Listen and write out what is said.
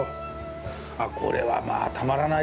あっ、これはまあ、たまらない。